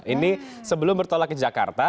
ini sebelum bertolak ke jakarta